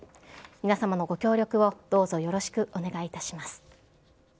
皆様のご協力をどうぞよろしくお願いいたします。